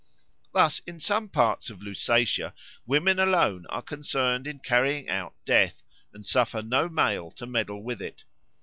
Thus in some parts of Lusatia women alone are concerned in carrying out Death, and suffer no male to meddle with it.